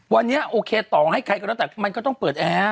วันนี้โอเคต่อให้ใครก็แล้วแต่มันก็ต้องเปิดแอร์